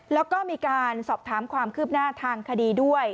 แล้วก็มีการสอบถามความคืบหน้าทางคดีด้วย